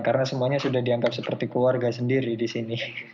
karena semuanya sudah dianggap seperti keluarga sendiri di sini